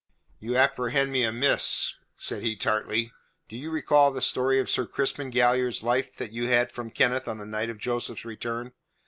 "You apprehend me amiss," said he tartly. "Do you recall the story of Sir Crispin Galliard's life that you had from Kenneth on the night of Joseph's return?"